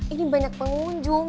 ini banyak pengunjung